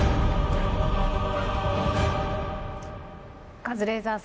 カズレーザーさん